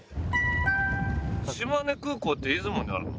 島根空港って出雲にあるの？